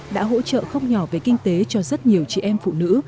đã hỗ trợ không nhỏ về kinh tế cho rất nhiều chị em phụ nữ